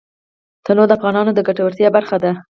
تنوع د افغانانو د ګټورتیا برخه ده.